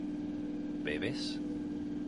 ¿bebes?